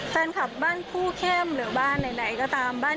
แฟนคลับบ้านคู่เข้มหรือบ้านไหน